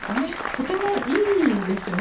とてもいいですよね。